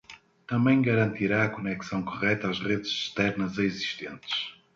Também garantirá a conexão correta às redes externas existentes.